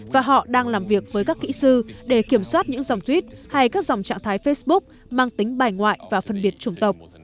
và họ đang làm việc với các kỹ sư để kiểm soát những dòng tuyết hay các dòng trạng thái facebook mang tính bài ngoại và phân biệt chủng tộc